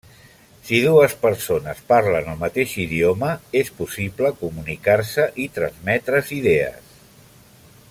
Si dues persones parlen el mateix idioma, és possible comunicar-se i transmetre's idees.